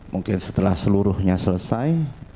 mungkin setelah seluruhnya selesai